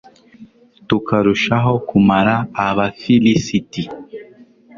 tukarushaho kumara abafilisiti